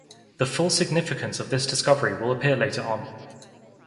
The full significance of this discovery will appear later on.